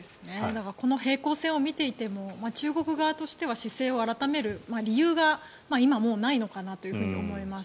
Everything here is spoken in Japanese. この平行線を見ていても中国側としては姿勢を改める理由が今はもうないのかなと思います。